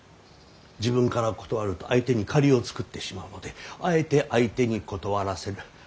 自分から断ると相手に借りを作ってしまうのであえて相手に断らせる。